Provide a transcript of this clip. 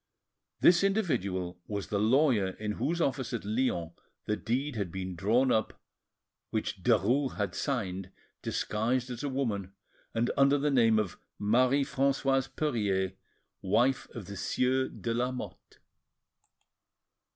This individual was the lawyer in whose office at Lyons the deed had been drawn up which Derues had signed, disguised as a woman, and under the name of Marie Francoise Perier, wife of the Sieur de Lamotte.